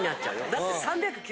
だって。